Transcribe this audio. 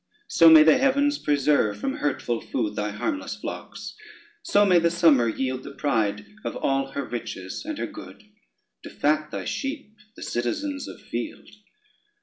So may the heavens preserve from hurtful food Thy harmless flocks; so may the summer yield The pride of all her riches and her good, To fat thy sheep, the citizens of field.